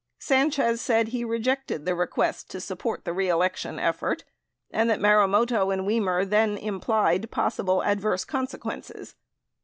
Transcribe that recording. Sanchez said he rejected the request to support the reelection effort and that Marumoto and Wimer then "implied" possible adverse consequences.